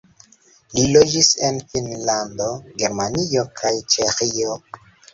Li loĝis en Finnlando, Germanio kaj Ĉeĥio.